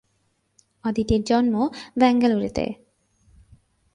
অদিতির জন্ম বেঙ্গালুরুতে।